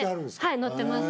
はい乗ってます